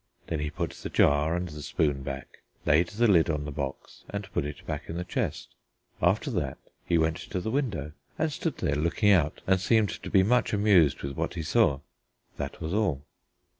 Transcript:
Then he put the jar and the spoon back, laid the lid on the box and put it back in the chest. After that he went to the window and stood there looking out, and seemed to be very much amused with what he saw. That was all.